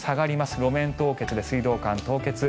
路面凍結や水道管の凍結。